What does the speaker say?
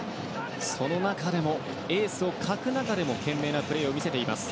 その中でも、エースを欠く中でも懸命なプレーを見せています。